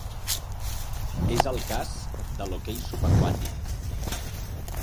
És el cas de l'hoquei subaquàtic.